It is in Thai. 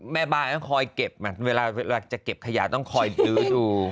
แม่บ้านต้องคอยเก็บมันเวลาจะเก็บขยะต้องคอยลื้อดู